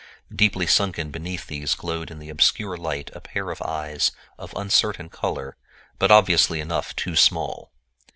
Deeply sunken beneath these, glowed in the obscure light a pair of eyes of uncertain color, but obviously enough too small.